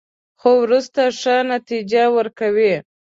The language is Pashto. خو وروسته ښه نتیجه ورکوي.